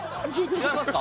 違いますか？